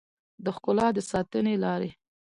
د ښکلا د ساتنې لارې